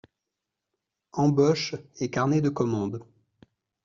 Embauches et carnets de commandes.